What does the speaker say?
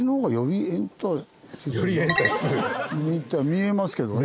見えますけどね。